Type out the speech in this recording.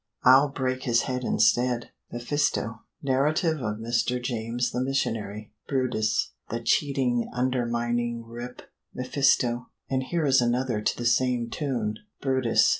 "I'll break his head instead." mephisto. "'Narrative of Mr. James the Missionary.'" brutus. "The cheating, undermining rip." mephisto. "And here is another to the same tune." brutus.